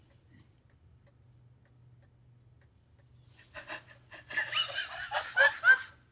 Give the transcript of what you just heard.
アハハハハハッ！